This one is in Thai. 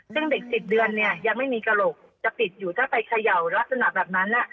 ซึ่งเด็ก๑๐เดือนเนี่ยยังไม่มีกระโหลกจะปิดอยู่ถ้าไปเขย่าลักษณะแบบนั้น